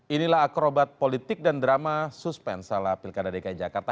inilah akrobat politik dan drama suspensala pilkada dki jakarta